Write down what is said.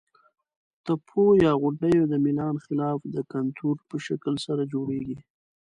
تپو یا غونډیو د میلان خلاف د کنتور په شکل سره جوړیږي.